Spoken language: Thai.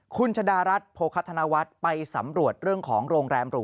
คุณชะดารัฐโภคธนวัฒน์ไปสำรวจเรื่องของโรงแรมหรู